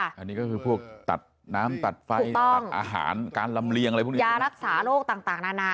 อันนี้ก็คือพวกตัดน้ำตัดไฟตัดอาหารการลำเลียงอะไรพวกนี้ยารักษาโรคต่างนานา